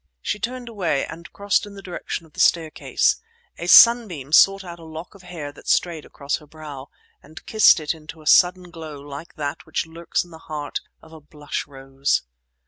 She turned away, and crossed in the direction of the staircase. A sunbeam sought out a lock of hair that strayed across her brow, and kissed it to a sudden glow like that which lurks in the heart of a blush rose.